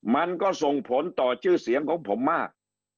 มันก็ส่งผลต่อชื่อเสียงของผมมาก